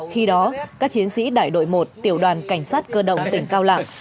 khi đó các chiến sĩ đại đội một tiểu đoàn cảnh sát cơ động tỉnh cao lạng